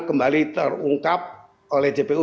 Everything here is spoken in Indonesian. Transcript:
kembali terungkap oleh jpu